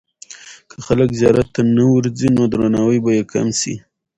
که خلک زیارت ته نه ورځي، نو درناوی به یې کم سي.